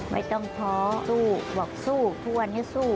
ไม่ต้องท้อสู้บอกสู้ทุกวันนี้สู้